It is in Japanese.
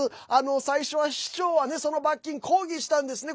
最初は市長はその罰金、抗議したんですね。